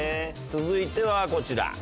続いてはこちら。